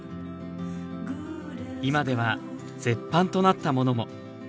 今では絶版となったものも。